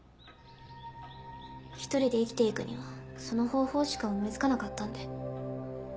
一人で生きていくにはその方法しか思いつかなかったんで。